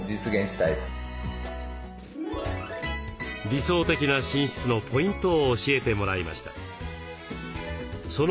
理想的な寝室のポイントを教えてもらいました。